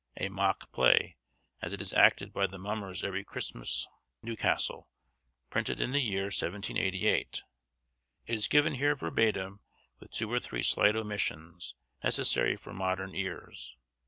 A mock play, as it is acted by the mummers every Christmas. Newcastle: Printed in the year 1788,' It is given here verbatim, with two or three slight omissions, necessary for modern ears.